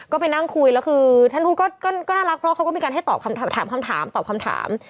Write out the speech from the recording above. ก็ไปนั่งคุยแล้วคือท่านพูดก็น่ารักเพราะเขาก็มีการให้ตอบคำถามตอบคำถาม